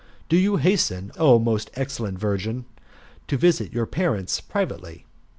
Do you hasten, O most excellent virgin, to visit your parents privately ?